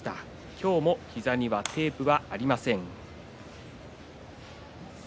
今日も膝にはテープがありません。